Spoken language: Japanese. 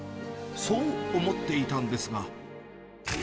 そう思っていたんですが。